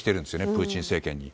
プーチン政権に。